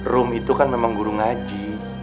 room itu kan memang guru ngaji